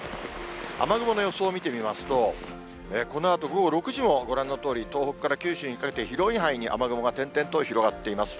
雨雲の予想を見てみますと、このあと午後６時もご覧のとおり、東北から九州にかけて広い範囲に、雨雲が点々と広がっています。